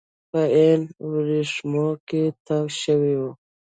په عین ورېښمو کې تاو شوي وو.